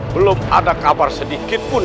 belum ada kabar sedikit pun